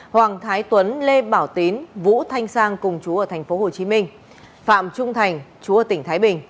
hoàng thái tuấn lê bảo tín vũ thanh sang cùng trú ở thành phố hồ chí minh phạm trung thành trú ở tỉnh thái bình